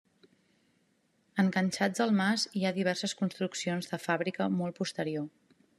Enganxats al mas hi ha diverses construccions de fàbrica molt posterior.